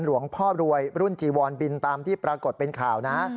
หลวงพ่อรวยรุ่นจีวอนบินตามที่ปรากฏเป็นข่าวนะ